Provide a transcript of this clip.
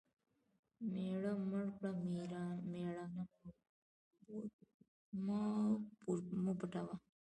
مېړه مړ کړه مېړانه مه پوټوه .